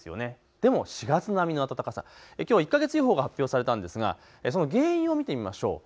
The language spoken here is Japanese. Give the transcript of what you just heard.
でも４月並みの暖かさ、きょうは１か月予報が発表されたんですが、その原因を見てみましょう。